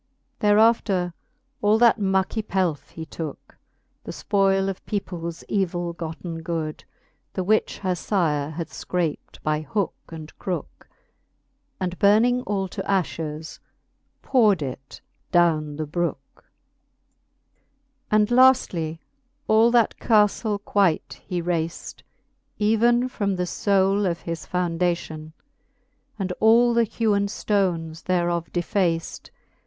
Thereafter all that mucky pelfc he tooke, The fpoile of peoples evill gotten good, The which her lire had fcrapt by hooke and crookc, And burning all to afhes, powr'd it downe the brooke, XXVIII. And laftly all that caftle quite he raced, Even from the fole of his foundation. And all the hewen ftones thereof defaced.